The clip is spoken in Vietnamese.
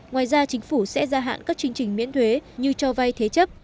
ngoài ra chính phủ sẽ gia hạn các chương trình miễn thuế như cho vay thế chấp